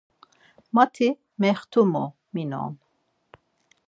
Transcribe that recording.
Mati mextimu minon.